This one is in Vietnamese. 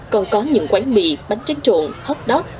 còn có những quán mì bánh tráng trộn hot dog